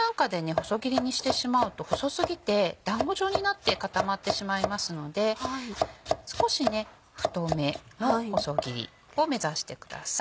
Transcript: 細切りにしてしまうと細過ぎてだんご状になって固まってしまいますので少しね太めの細切りを目指してください。